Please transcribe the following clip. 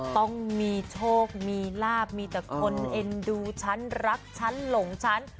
ต้องมีโชคมีลาบมีแต่คนเอ็นดูฉันรักฉันหลงฉัน